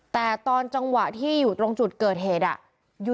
แต่ตอนจังหวะที่อยู่ตรงจุดเกิดเหตุ